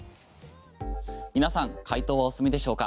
皆さん解答はお済みでしょうか？